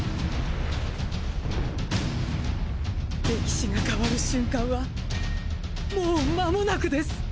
歴史が変わる瞬間はもう間もなくです！！